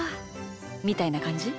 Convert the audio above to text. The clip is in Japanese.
みたいなかんじ？